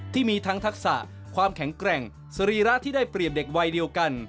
ที่มีทั้งทักษะความแข็งแกร่งสรีระที่ได้เปรียบเด็กวัยเดียวกัน